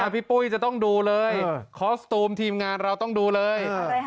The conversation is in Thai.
พี่ปุ้ยจะต้องดูเลยคอสตูมทีมงานเราต้องดูเลย